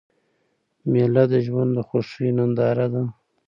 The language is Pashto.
مېله د ژوند د خوښیو ننداره ده.